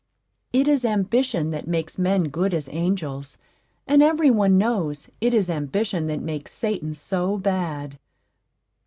It is ambition that makes men good as angels; and every one knows it is Ambition that makes Satan so bad.